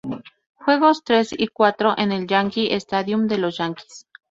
Juegos tres y cuatro en el Yankee Stadium de los Yankees.